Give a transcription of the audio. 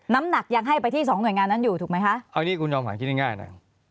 น้ำหนักยังให้ไปที่สองหน่วยงานนั้นอยู่ถูกไหมคะเอานี่คุณจอมขวัญคิดง่ายง่ายนะ